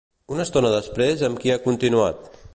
Una estona després, amb qui ha continuat?